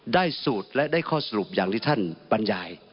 ได้สูตรและได้ข้อสรุปอย่างที่ท่านบรรยาย